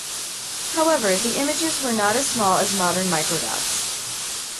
However, the images were not as small as modern microdots.